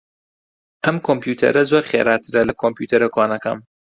ئەم کۆمپیوتەرە زۆر خێراترە لە کۆمپیوتەرە کۆنەکەم.